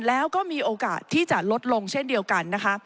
แล้วก็มีโอกาสที่จะลดลงเช่นเดียวกันนะคะ